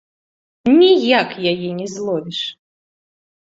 Ніяк яе не зловіш.